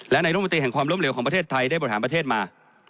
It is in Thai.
และนายรมนตรีแห่งความล้มเหลวของประเทศไทยได้บริหารประเทศมา